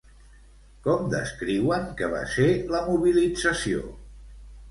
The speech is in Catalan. Com descriuen que va ser la mobilització?